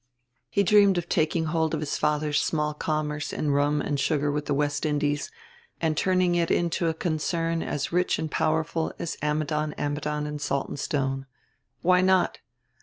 He dreamed of taking hold of his father's small commerce in rum and sugar with the West Indies and turning it into a concern as rich and powerful as Ammidon, Ammidon and Saltonstone. Why not!